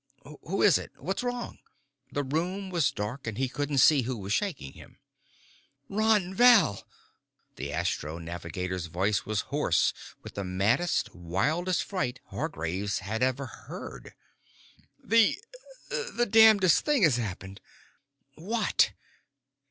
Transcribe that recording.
"Who is it? What's wrong?" The room was dark and he couldn't see who was shaking him. "Ron Val." The astro navigator's voice was hoarse with the maddest, wildest fright Hargraves had ever heard. "The the damnedest thing has happened!" "What?"